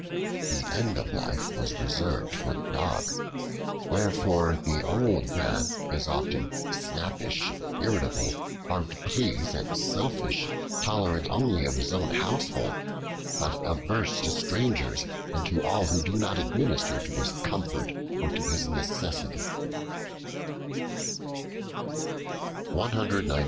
The end of life was reserved for the Dog, wherefore the old man is often snappish, irritable, hard to please, and selfish, tolerant only of his own household, but averse to strangers and to all who do not administer to his comfort or to his necessities.